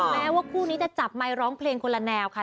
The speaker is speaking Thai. แม้ว่าคู่นี้จะจับไมค์ร้องเพลงคนละแนวค่ะ